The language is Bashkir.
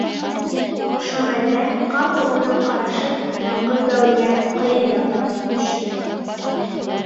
Ошо мәлдә ҡапыл уның ҡарашы яңғыҙ бәүелгән ҡайын япрағына төштө.